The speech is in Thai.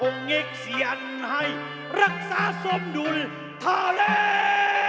องค์เอ็กเซียนให้รักษาสมดุลทะเล